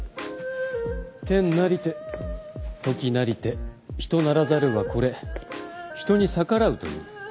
「天作りて時作りて人作らざるはこれ人に逆らうと謂う」